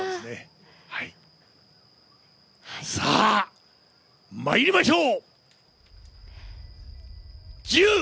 さあ、まいりましょう。